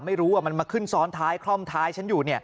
ไม่รู้ว่ามันมาขึ้นซ้อนท้ายคล่อมท้ายฉันอยู่